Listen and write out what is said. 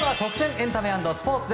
エンタメ＆スポーツ。